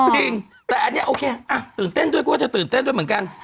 จริงแต่อันนี้โอเคตื่นเต้นด้วยกลัวจะตื่นเต้นด้วยเหมือนกัน